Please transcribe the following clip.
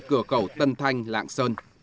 cửa cầu tân thanh lạng sơn